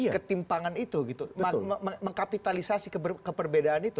ketimpangan itu mengkapitalisasi keberbedaan itu